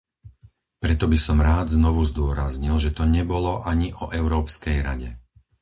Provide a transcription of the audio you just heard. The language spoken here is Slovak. Preto by som rád znovu zdôraznil, že to nebolo ani o Európskej rade.